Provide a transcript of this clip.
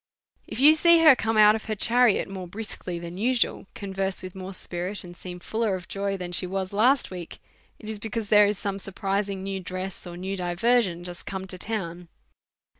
If you see her come out of her chariot more briskly than usual, converse with more spirits, and seem ful ler of joy than she was last week, it is because there is some surprising new dress, or new diversion just come to town.